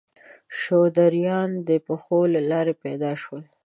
شودرایان د پښو له لارې پیدا شول.